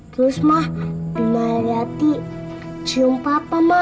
terus ma bimariati cium papa ma